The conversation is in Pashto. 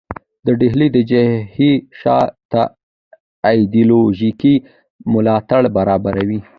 دا ډله د جبهې شا ته ایدیالوژیکي ملاتړ برابروي